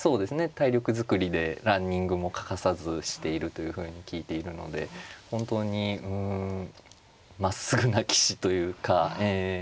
体力作りでランニングも欠かさずしているというふうに聞いているので本当にうんまっすぐな棋士というかええ